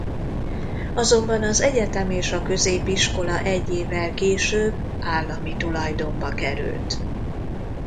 Azonban az egyetem és a középiskola egy évvel később állami tulajdonba került.